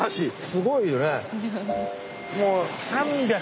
すごいよね。